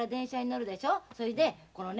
それでこのね